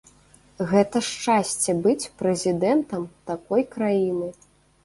Гэта шчасце быць прэзідэнтам такой краіны.